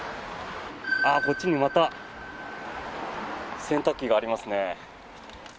こっちにまた洗濯機がありますね。